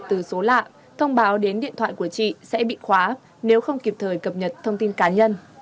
từ số lạ thông báo đến điện thoại của chị sẽ bị khóa nếu không kịp thời cập nhật thông tin cá nhân